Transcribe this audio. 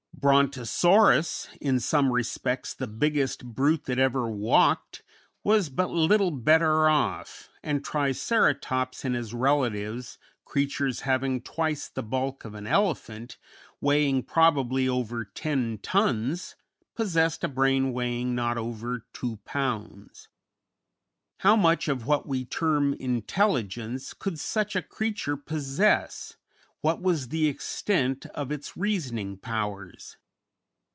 Brontosaurus, in some respects the biggest brute that ever walked, was but little better off, and Triceratops, and his relatives, creatures having twice the bulk of an elephant, weighing probably over ten tons, possessed a brain weighing not over two pounds! How much of what we term intelligence could such a creature possess what was the extent of its reasoning powers?